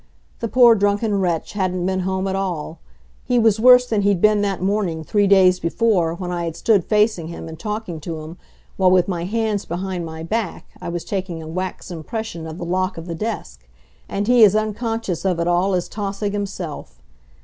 The poor drunken wretch hadn't been home at all. He was worse than he'd been that morning three days before, when I had stood facing him and talking to him, while with my hands behind my back I was taking a wax impression of the lock of the desk; and he as unconscious of it all as Tausig himself.